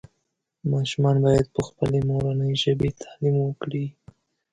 ماشومان باید پخپلې مورنۍ ژبې تعلیم وکړي